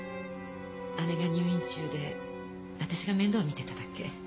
姉が入院中で私が面倒見てただけ。